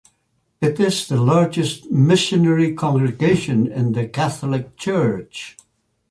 It is the largest missionary congregation in the Catholic Church.